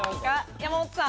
山本さん。